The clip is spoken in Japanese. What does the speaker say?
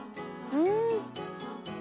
うん。